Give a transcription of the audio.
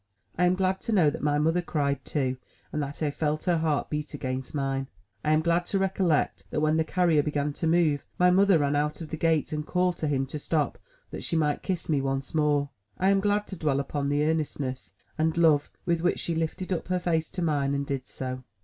I am glad to know that my mother cried too, and that I felt her heart beat against mine. I am glad to recollect that when the carrier began to move, my mother ran out at the gate, and called to him to stop, that she might kiss me once more. I am glad to dwell upon the earnestness and love with which she lifted up her face to mine and did so.